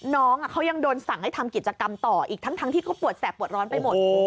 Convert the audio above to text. น้องเขายังโดนสั่งให้ทำกิจกรรมต่ออีกทั้งที่เขาปวดแสบปวดร้อนไปหมด